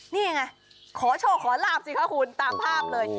นี่ไงขอโชคขอราบจ๊ะครับคุณตามภาพเลย